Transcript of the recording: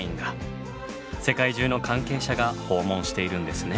世界中の関係者が訪問しているんですね。